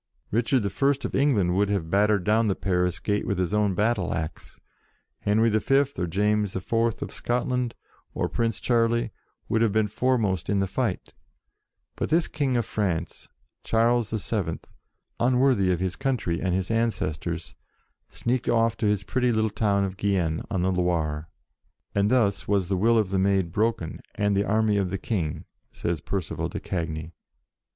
Richard I. of England would have bat tered down the Paris gate with his own battle axe ; Henry V. or James IV. of Scot land, or Prince Charlie, would have been foremost in the fight; but this King of France, Charles VII., unworthy of his coun try and his ancestors, sneaked off to his pretty little town of Gien, on the Loire. "And thus was the will of the Maid broken, and the army of the King," says Percival de Cagny.